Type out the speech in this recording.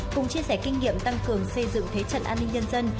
cùng chia sẻ kinh nghiệm tăng cường xây dựng thế trận an ninh nhân dân